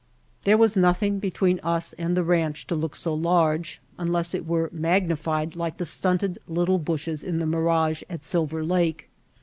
There was nothing between us and the ranch to look so large, un less it were magnified like the stunted little bushes in the mirage at Silver Lake.